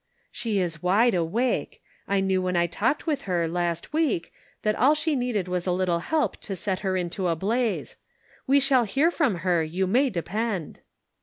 " She is wide awake ; I knew when I talked with her, last week, that all she needed was a little help to set her into a blaze ; we shall hear from her, you may depend."